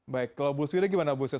baik kalau bu svida gimana